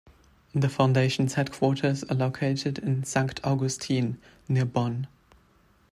The foundation's headquarters are located in Sankt Augustin near Bonn.